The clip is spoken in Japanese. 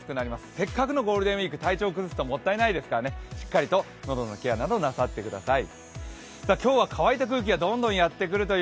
せっかくのゴールデンウイーク体調崩すともったいないですからねしっかりと喉のケアなどなさってください。